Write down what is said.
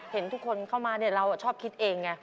เห็นทุกคนเข้ามาเราชอบคิดเองไง